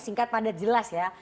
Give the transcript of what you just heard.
singkat pada jelas ya